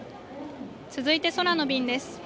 続いて空の便です。